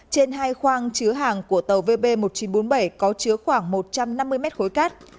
trên hai khoang chứa hàng của tàu vb một nghìn chín trăm bốn mươi bảy có chứa khoảng một trăm năm mươi mét khối cát